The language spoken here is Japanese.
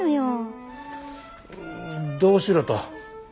うんどうしろと。